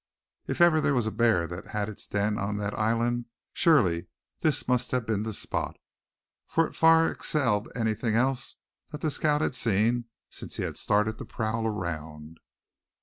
If ever there was a bear that had its den on that island, surely this must have been the spot; for it far excelled anything else that the scout had seen since he had started to prowl around.